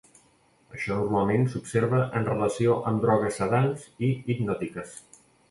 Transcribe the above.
Això normalment s'observa en relació amb drogues sedants i hipnòtiques.